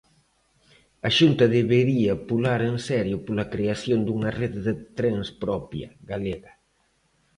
A Xunta debería pular en serio pola creación dunha rede de trens propia, galega.